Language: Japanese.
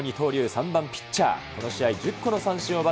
３番ピッチャー、この試合、１０個の三振を奪